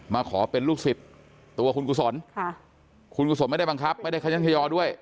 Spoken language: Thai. มาขอเป็นลูกศิษย์ตัวคุณกุศลคุณกุศลไม่ได้บังคับไม่ได้ขยันขยอด้วย